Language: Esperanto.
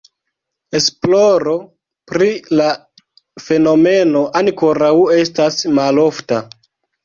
Esploro pri la fenomeno ankoraŭ estas malofta.